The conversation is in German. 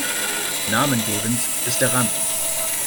Namengebend ist der Randen.